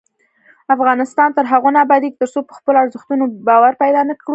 افغانستان تر هغو نه ابادیږي، ترڅو په خپلو ارزښتونو باور پیدا نکړو.